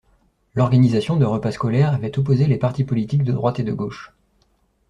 L’organisation de repas scolaires avait opposé les partis politiques de droite et de gauche.